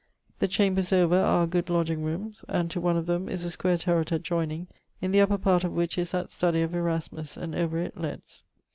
The chambers over are good lodgeing roomes; and to one of them is a square turret adjoyning, in the upper part of which is that study of Erasmus; and over it leades.